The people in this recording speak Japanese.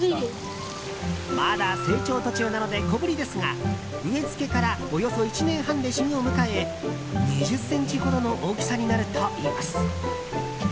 まだ成長途中なので小ぶりですが植え付けからおよそ１年半で旬を迎え２０ｃｍほどの大きさになるといいます。